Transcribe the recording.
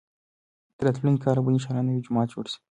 تر راتلونکي کاله به انشاالله نوی جومات جوړ شي.